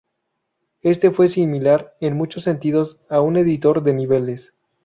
Este fue similar en muchos sentidos a un editor de niveles.